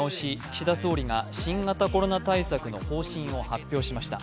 岸田総理が新型コロナ対策の方針を発表しました。